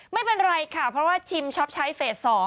ไม่เป็นไรค่ะเพราะว่าชิมช็อปใช้เฟส๒